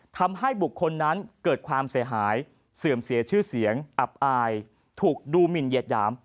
ทำให้บุคคลนั้นเกิดความเสียหายเสื่อมเสียชื่อเสียงอับอายถูกดูหมินเหยียดหยาม